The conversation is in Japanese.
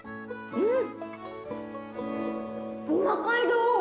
うん。